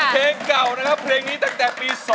เพลงเก่านะครับเพลงนี้ตั้งแต่ปี๒๕